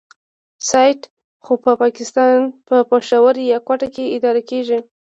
سایټ خو په پاکستان په پېښور يا کوټه کې اداره کېږي.